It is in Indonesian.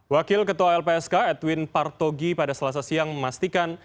wakil ketua lpsk edwin partogi pada selasa siang memastikan